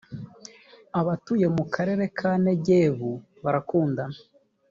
abatuye mu karere ka negebu barakundana